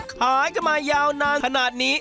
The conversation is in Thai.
ขายกันมายาวนานขนาดนี้